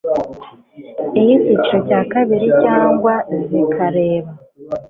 iy icyiciro cya kabiri cyangwa zikareba